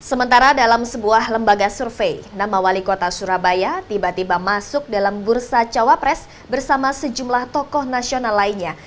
sementara dalam sebuah lembaga survei nama wali kota surabaya tiba tiba masuk dalam bursa cawapres bersama sejumlah tokoh nasional lainnya